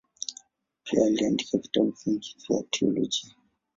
Pia aliandika vitabu vingi vya teolojia.